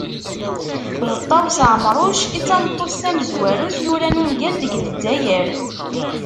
D Ṭawes Ɛemruc i tameṭṭut tamezwarut yuran ungal deg Lezzayer.